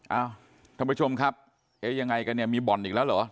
เอ้าท่านผู้ชมครับเอ๊ยังไงกันเนี่ยมีบ่อนอีกแล้วเหรอ